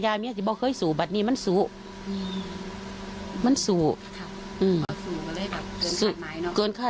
นางมอนก็บอกว่านางมอนก็บอกว่า